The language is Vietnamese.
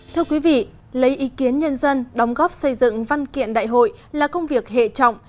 thưa quý vị lấy ý kiến nhân dân đóng góp xây dựng văn kiện đại hội là công việc hệ trọng